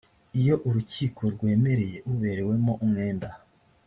iyo urukiko rwemereye uberewemo umwenda